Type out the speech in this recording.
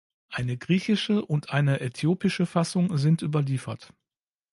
Eine griechische und eine äthiopische Fassung sind überliefert.